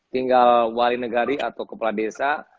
tinggal wali negari atau kepala desa